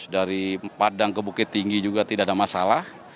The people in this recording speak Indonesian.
dari padang ke bukit tinggi juga tidak ada masalah